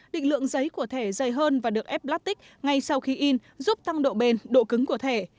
định lượng giấy của thẻ dày hơn và được ép lát tích ngay sau khi in giúp tăng độ bền độ cứng của thẻ